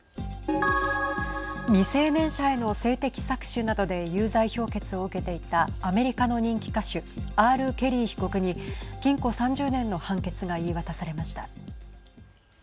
未成年者への性的搾取などで有罪評決を受けていたアメリカの人気歌手Ｒ・ケリー被告に禁錮３０年の判決が言い渡されました。